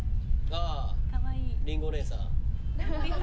あありんご姉さん。